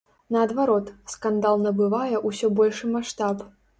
Наадварот, скандал набывае ўсё большы маштаб.